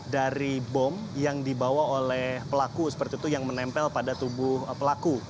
dari bom yang dibawa oleh pelaku seperti itu yang menempel pada tubuh pelaku